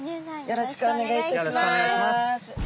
よろしくお願いします。